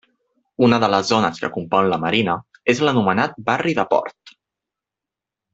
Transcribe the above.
Una de les zones que compon la Marina és l'anomenat barri de Port.